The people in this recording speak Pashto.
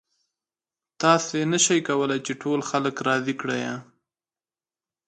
تاسې نشئ کولی چې ټول خلک راضي کړئ.